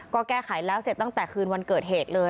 ก็แก้ไขแล้วเสร็จตั้งแต่คืนวันเกิดเหตุเลย